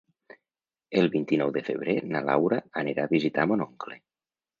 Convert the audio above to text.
El vint-i-nou de febrer na Laura anirà a visitar mon oncle.